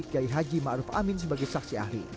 kiai haji ma'ruf amin sebagai saksi ahli